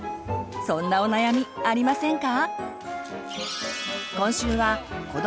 そんなお悩みありませんか？